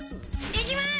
行きます！